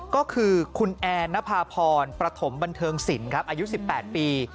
ก็คือคุณแอนนภาพรประถมบันเทิงศิลป์ครับอายุ๑๘ปี